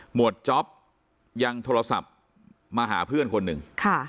วดจ๊อปยังโทรศัพท์มาหาเพื่อนคนหนึ่ง